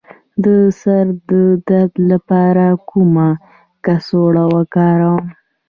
د سر د درد لپاره کومه کڅوړه وکاروم؟